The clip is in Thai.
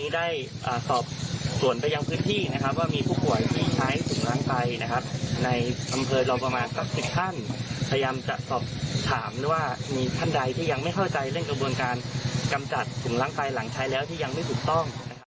ดวงการกำจัดถุงล้างไตหลังใช้แล้วที่ยังไม่ถูกต้อง